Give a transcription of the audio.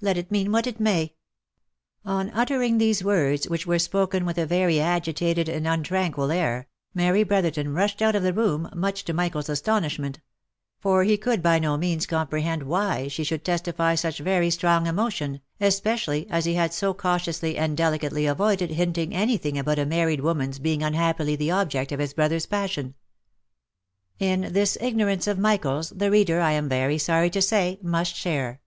Let it mean what it may." On utter ing these words, which were spoken with a very agitated and untran quil air, Mary Brotherton rushed out of the room, much to Michael's astonishment ; for he could by no means comprehend why she should testify such very strong emotion, especially as he had so cautiously and delicately avoided hinting any thing about a married woman's being unhappily the object of his brother's passion. 2c 386 THE LIFE AND ADVENTURES In this ignorance of Michael's, the reader, I am very sorry to say, must share.